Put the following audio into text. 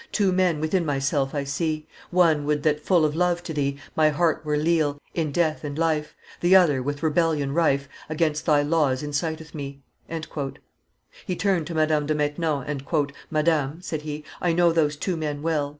Two men within myself I see One would that, full of love to Thee, My heart were leal, in death and life; The other, with rebellion rife, Against Thy laws inciteth me." He turned to Madame de Maintenon, and, "Madame," said he, "I know those two men well."